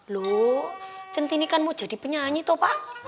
loh centini kan mau jadi penyanyi tuh pak